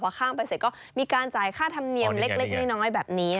พอข้ามไปเสร็จก็มีการจ่ายค่าธรรมเนียมเล็กน้อยแบบนี้